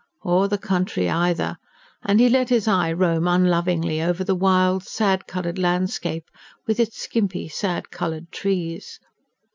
Or the country either and he let his eye roam unlovingly over the wild, sad coloured landscape, with its skimpy, sad coloured trees.